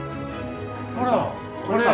ほらこれ！